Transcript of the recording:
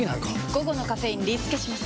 午後のカフェインリスケします！